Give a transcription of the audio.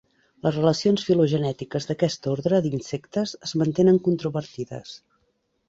Les relacions filogenètiques d'aquest ordre d'insectes es mantenen controvertides.